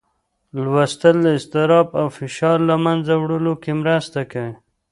لوستل د اضطراب او فشار له منځه وړلو کې مرسته کوي